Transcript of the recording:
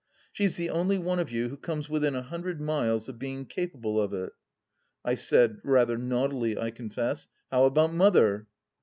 " She's the only one of you who comes within a hundred miles of being capable of it." I said — rather naughtily, I confess — "How about Mother?